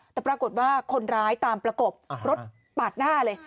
แต่ปรากฏว่าคนร้ายตามประกบรถปาดหน้าเลย